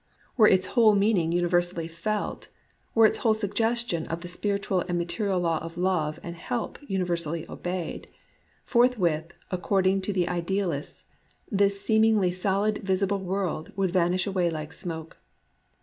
Were its whole meaning universally felt, — were its whole suggestion of the spiritual and material law of love and help universally obeyed, — forthwith, according to the Ideal ists, this seemingly solid visible world would vanish away like smoke